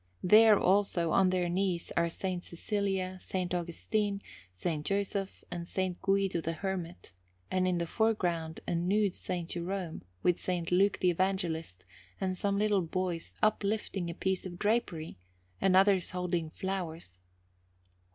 There, also, on their knees, are S. Cecilia, S. Augustine, S. Joseph, and S. Guido the Hermit, and in the foreground a nude S. Jerome, with S. Luke the Evangelist, and some little boys uplifting a piece of drapery, and others holding flowers.